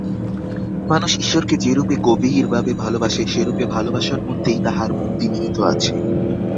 মানুষ ঈশ্বরকে যেরূপে গভীরভাবে ভালবাসে, সেরূপে ভালবাসার মধ্যেই তাহার মুক্তি নিহিত আছে।